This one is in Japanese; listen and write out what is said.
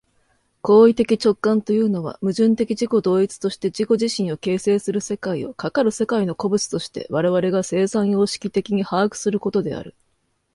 行為的直観というのは、矛盾的自己同一として自己自身を形成する世界を、かかる世界の個物として我々が生産様式的に把握することである。